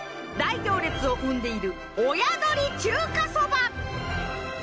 大行列を生んでいる親鶏中華そば。